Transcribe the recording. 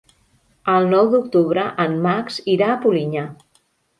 El nou d'octubre en Max irà a Polinyà.